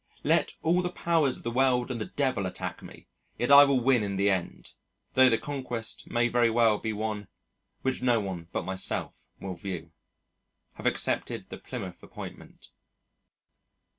Let all the powers of the world and the Devil attack me, yet I will win in the end though the conquest may very well be one which no one but myself will view. Have accepted the Plymouth appointment.